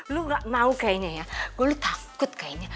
loe gak mau kayaknya ya gue loe takut kayaknya